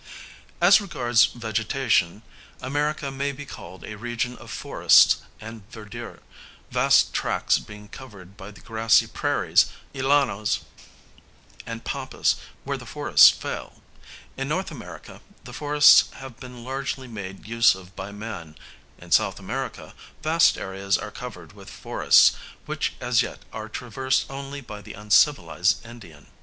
As regards vegetation America may be called a region of forests and verdure, vast tracts being covered by the grassy prairies, llanos, and pampas where the forests fail. In N. America the forests have been largely made use of by man; in S. America vast areas are covered with forests, which as yet are traversed only by the uncivilized Indian.